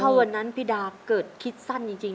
ถ้าวันนั้นพี่ดาเกิดคิดสั้นจริง